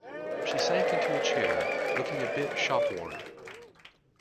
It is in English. She sank into a chair, looking a bit shop-worn.